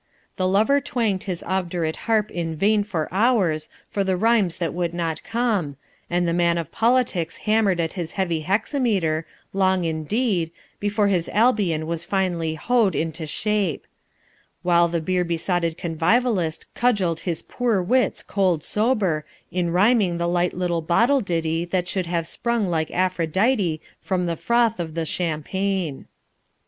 The lover twanged his obdurate harp in vain for hours for the rhymes that would not come, and the man of politics hammered at his heavy hexameter long indeed before his Albion was finally "hoed" into shape; while the beer besotted convivialist cudgelled his poor wits cold sober in rhyming the light little bottle ditty that should have sprung like Aphrodite from the froth of the champagne.